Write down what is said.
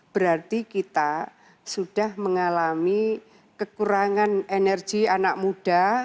berarti kita sudah mengalami kekurangan energi anak muda